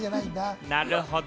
なるほど！